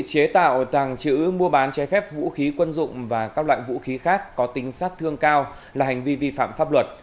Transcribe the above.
lêu bảo tặng chữ mua bán chế phép vũ khí quân dụng và các loại vũ khí khác có tính sát thương cao là hành vi vi phạm pháp luật